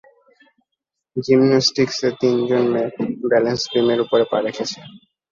জিমন্যাস্টিকসে তিনজন মেয়ে ব্যালেন্স বিমের উপর পা রাখছে।